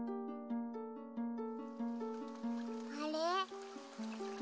あれ？